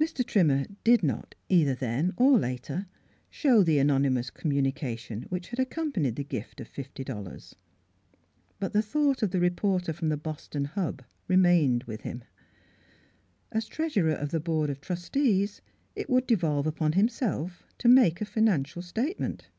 Mr. Trimmer did not, either then or later, show the anonymous communication which had accompanied the gift of fifty dollars. But the thought of the reporter from The Boston Huh remained with him. As treasurer of the board of trustees it would devolve upon himself to make a financial statement.